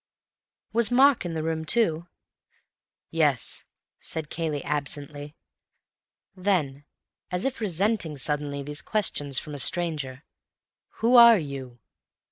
"Was Mark in the room too?" "Yes," said Cayley absently. Then, as if resenting suddenly these questions from a stranger, "Who are you?"